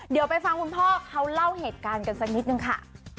เดี๋ยวไปฟังคุณพ่อเขาเล่าเหตุการณ์กันสักนิดนึงค่ะ